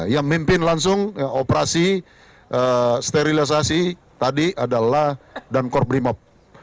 yang mimpin langsung operasi sterilisasi tadi adalah dankor blimob